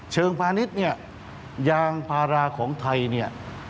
พาณิชย์เนี่ยยางพาราของไทยเนี่ย